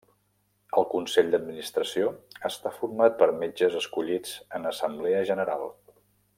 El Consell d'Administració està format per metges escollits en Assemblea General.